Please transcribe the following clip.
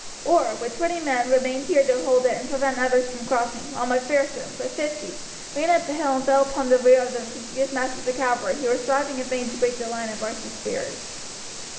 Orr, with twenty men, remained here to hold it and prevent others from crossing, while Macpherson, with fifty, ran up the hill and fell upon the rear of the confused masses of cavalry, who were striving in vain to break the lines of Archie's spears.